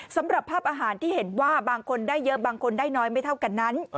สำหรับภาพอาหารที่เห็นว่าบางคนได้เยอะบางคนได้น้อยไม่เท่ากันนั้น